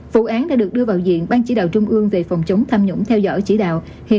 vụ án đã được đưa vào diện ban chỉ đạo trung ương về phòng chống tham nhũng theo dõi chỉ đạo